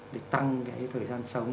để tăng cái thời gian sống